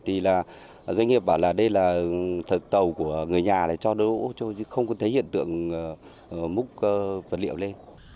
thì là doanh nghiệp bảo là đây là tàu của người nhà này cho đỗ chứ không có thấy hiện tượng múc vật liệu lên